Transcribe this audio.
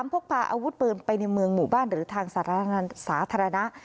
พกพาอาวุธปืนไปในเมืองหมู่บ้านหรือทางสาธารณะ